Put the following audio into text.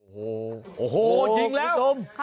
โอ้โฮโอ้โฮคุณตำ